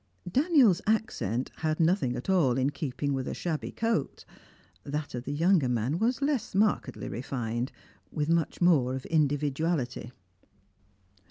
Daniel's accent had nothing at all in keeping with a shabby coat; that of the younger man was less markedly refined, with much more of individuality.